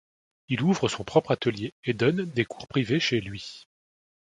Il ouvre son propre atelier et donne des cours privés chez lui.